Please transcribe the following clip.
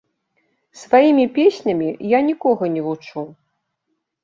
Сваімі песнямі я нікога не вучу.